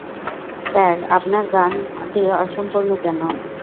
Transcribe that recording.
Sir, আপনার গানটি অসম্পূর্ণ কেন?